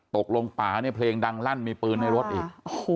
ตกลงป่าเนี่ยเพลงดังลั่นมีปืนในรถอีก